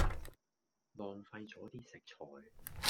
浪費左啲食材